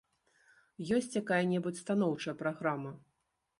Ёсць якая-небудзь станоўчая праграма?